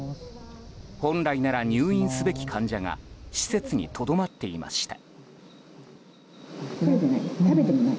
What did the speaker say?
本来なら入院すべき患者が施設にとどまっていました。